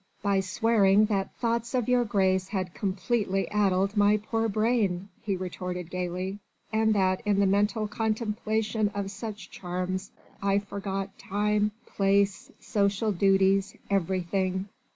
"By swearing that thoughts of your Grace had completely addled my poor brain," he retorted gaily, "and that in the mental contemplation of such charms I forgot time, place, social duties, everything."